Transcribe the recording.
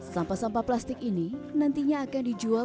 sampah sampah plastik ini nantinya akan dijual